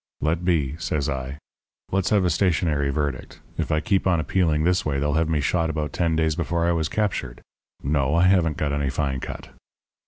"'Let be,' says I. 'Let's have a stationary verdict. If I keep on appealing this way they'll have me shot about ten days before I was captured. No, I haven't got any fine cut.'